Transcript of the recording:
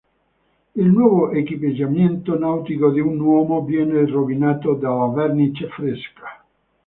Il nuovo equipaggiamento nautico di un uomo viene rovinato dalla vernice fresca.